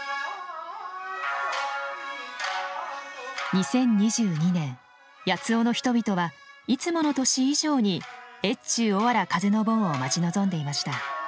２０２２年八尾の人々はいつもの年以上に越中おわら風の盆を待ち望んでいました。